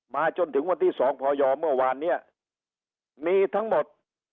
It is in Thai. จนถึงวันที่สองพยเมื่อวานเนี่ยมีทั้งหมด